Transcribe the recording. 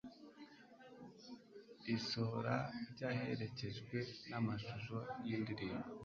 Isohora ryaherekejwe namashusho yindirimbo